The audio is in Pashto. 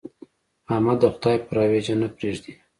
احمد د خدای پر اوېجه نه پرېږدي.